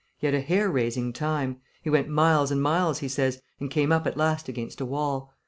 He had a hair raising time. He went miles and miles, he says, and came up at last against a wall.